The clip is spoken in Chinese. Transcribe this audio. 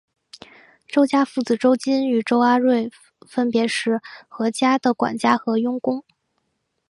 周家父子周金与周阿瑞分别是何家的管家和佣工。